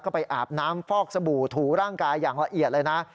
ก็ไปอาบน้ำฟอกสบู่ถูร่างกายอย่างละเอียดเลยนะ